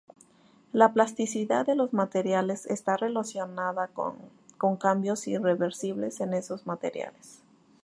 La plasticidad de los materiales está relacionada con cambios irreversibles en esos materiales.